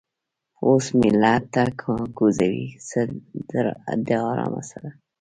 اوس مې لحد ته کوزوي څه د ارامه سره